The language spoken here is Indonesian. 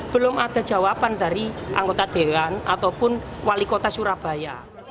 belum ada jawaban dari anggota dewan ataupun wali kota surabaya